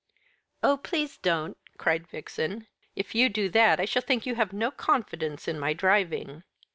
"Oh, please don't!" cried Vixen. "If you do that I shall think you've no confidence in my driving."